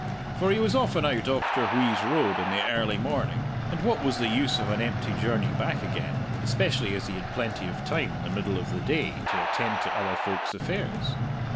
For he was often out Auchterwheeze road in the early morning, and what was the use of an empty journey back again, especially as he had plenty of time in the middle of the day to attend to other folk's affairs?